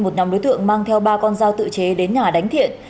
một nhóm đối tượng mang theo ba con dao tự chế đến nhà đánh thiện